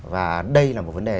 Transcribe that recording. và đây là một vấn đề